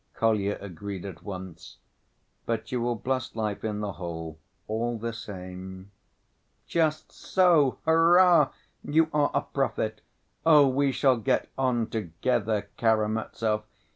Kolya agreed at once. "But you will bless life on the whole, all the same." "Just so, hurrah! You are a prophet. Oh, we shall get on together, Karamazov!